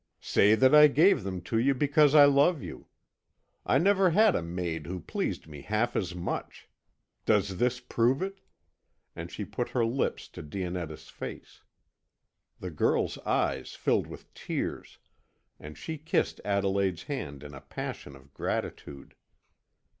"Say that I gave them to you because I love you. I never had a maid who pleased me half as much. Does this prove it?" and she put her lips to Dionetta's face. The girl's eyes filled with tears, and she kissed Adelaide's hand in a passion of gratitude.